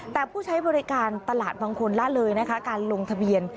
แต่ผู้ใช้บริการตลาดบางคนละเลยนะคะการลงทะเบียน